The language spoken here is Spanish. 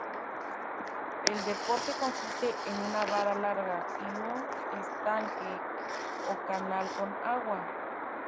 El deporte consiste en una vara larga y un estanque o canal con agua.